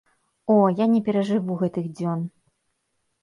О, я не перажыву гэтых дзён!